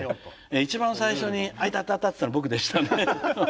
一番最初に「あイタタタ」って言ったのは僕でしたね。